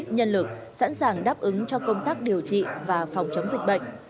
nhân lực sẵn sàng đáp ứng cho công tác điều trị và phòng chống dịch bệnh